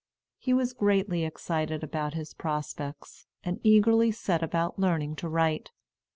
He was greatly excited about his prospects, and eagerly set about learning to write.